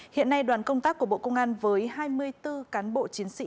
hiện nay đoàn công tác của bộ công an với hai mươi bốn cán bộ chiến sĩ